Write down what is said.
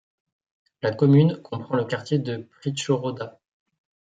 La commune comprend le quartier de Pritschroda.